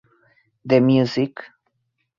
The Music.